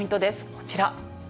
こちら。